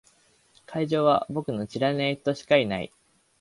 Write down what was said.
会場は僕の知らない人しかいない。